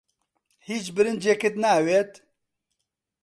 هیچ برنجێکت ناوێت؟